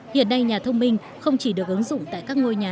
hiện nay nhà thông minh không chỉ được ứng dụng tại các ngôi nhà